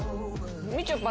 みちょぱ